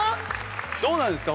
どうなんですか？